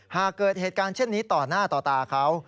หากเกิดเหตุการณ์เช่นนี้ต่อหน้าต่อตาเขา